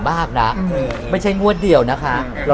ไม่มีทั้งสองตัวเลยหรอ